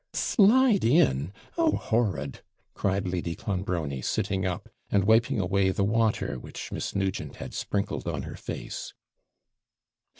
Slide in! Oh, horrid!' cried Lady Clonbrony, sitting up, and wiping away the water which Miss Nugent had sprinkled on her face.